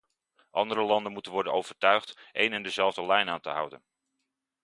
Andere landen moeten worden overtuigd één en dezelfde lijn aan te houden.